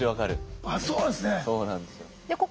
あそうなんですね。